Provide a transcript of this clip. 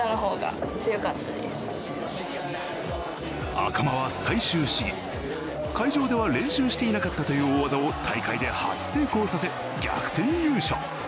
赤間は最終試技、会場では練習していなかったという大技を、大会で初成功させ逆転優勝。